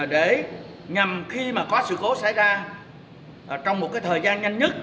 để nhằm khi mà có sự cố xảy ra trong một thời gian nhanh nhất